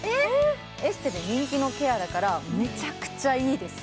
エステで人気のケアだからめちゃくちゃいいです。